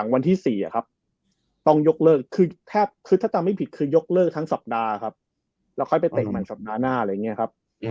วันที่๔ต้องยกเลิกถ้าตามไม่ผิดคือยกเลิกทั้งสัปดาห์แล้วไปเต่งเหมือนสัปดาห์หน้า